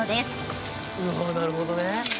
なるほどね。